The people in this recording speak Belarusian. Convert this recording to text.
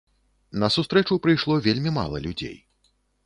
На сустрэчу прыйшло вельмі мала людзей.